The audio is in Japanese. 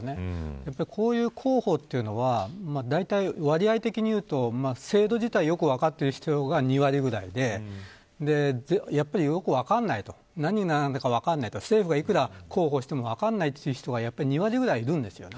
やっぱりこういう広報というのは大体割合的にいうと制度自体分かっている人が２割ぐらいでやっぱりよく分からないと政府がいくら広報しても分からないという人が２割くらい、いるんですよ。